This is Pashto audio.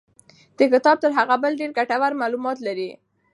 دا کتاب تر هغه بل ډېر ګټور معلومات لري.